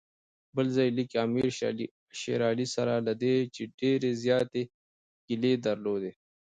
بل ځای لیکي امیر شېر علي سره له دې چې ډېرې زیاتې ګیلې درلودې.